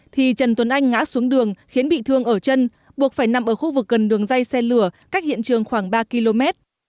thì trần tuấn anh ngã xuống đường khiến bị thương ở chân buộc phải nằm ở khu vực gần đường dây xe lửa cách hiện trường khoảng ba km